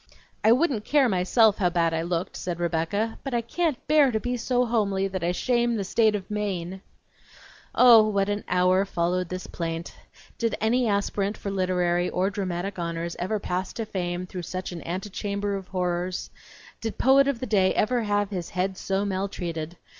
"I wouldn't care myself how bad I looked," said Rebecca, "but I can't bear to be so homely that I shame the State of Maine!" Oh, what an hour followed this plaint! Did any aspirant for literary or dramatic honors ever pass to fame through such an antechamber of horrors? Did poet of the day ever have his head so maltreated?